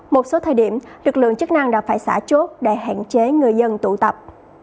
một số thời điểm lực lượng chức năng đã phải xả chốt để hạn chế người dân tụ tập